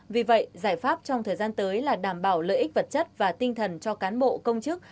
vì vậy giải pháp trong thời gian tới là đảm bảo lợi ích vật chất và tinh thần cho cán bộ công chức